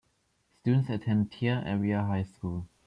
Students attend Tea Area High School.